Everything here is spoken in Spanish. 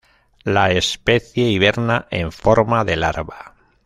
La especie hiberna en forma de larva.